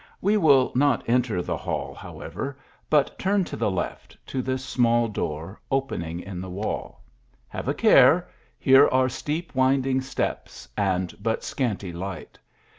We will not enter the hall, however, but turn to the left, to this small door, opening in the wall. Have a care ! here are steep winding steps and but scanty light.